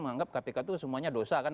menganggap kpk itu semuanya dosa kan